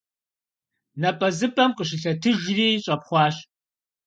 НапӀэзыпӀэм къыщылъэтыжри, щӀэпхъуащ.